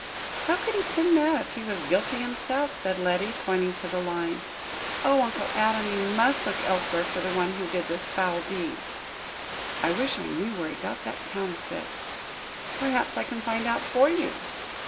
"How could he pen that if he was guilty himself?" said Letty, pointing to the line. "Oh, Uncle Adam, you must look elsewhere for the one who did this foul deed." "I wish I knew where he got that counterfeit?" "Perhaps I can find out for you."